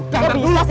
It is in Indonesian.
gak bisa sih